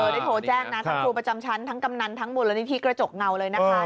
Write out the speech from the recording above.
ได้โทรแจ้งนะทั้งครูประจำชั้นทั้งกำนันทั้งมูลนิธิกระจกเงาเลยนะคะ